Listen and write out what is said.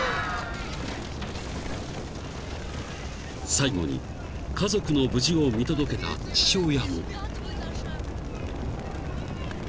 ［最後に家族の無事を見届けた父親も］